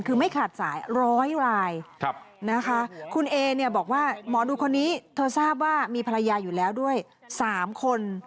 คือไม่ขาดสายร้อยรายนะคะคุณเอเนี่ยบอกว่าหมอดูคนนี้เธอทราบว่ามีภรรยาอยู่แล้วด้วย๓คน